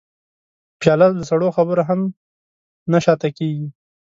پیاله له سړو خبرو هم نه شا ته کېږي.